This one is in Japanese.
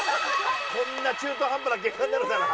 こんな中途半端な結果になるなら。